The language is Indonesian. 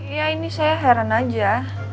ya ini saya heran aja